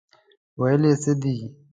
ویل یې څه دي.